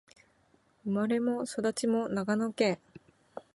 生まれも育ちも長野県